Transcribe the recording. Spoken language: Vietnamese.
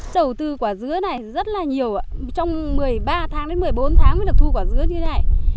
đầu tư quả dứa này rất là nhiều trong một mươi ba một mươi bốn tháng mới được thu quả dứa như thế này